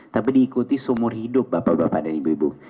tapi diikuti seumur hidup bapak bapak dan ibu ibu